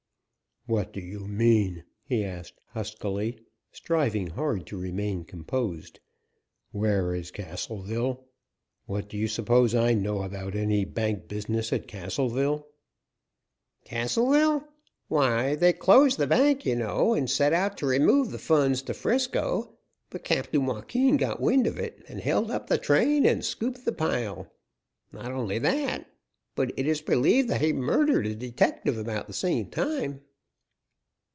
"What do you mean?" he asked, huskily, striving hard to remain composed. "Where is Castleville? What do you suppose I know about any bank business at Castleville?" "Castleville? Why, they closed the bank, you know, and set out to remove the funds to 'Frisco, but Captain Joaquin got wind of it and held up the train and scooped the pile. Not only that, but it is believed that he murdered a detective about the same time."